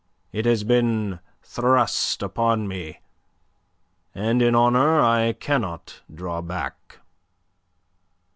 It has been thrust upon me, and in honour I cannot draw back."